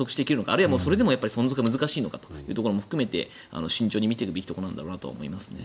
あるいはそれでも、存続が難しいのかというところも含めて慎重に見ていくべきところなんだろうなと思います。